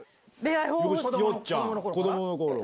よっちゃん、子どものころ。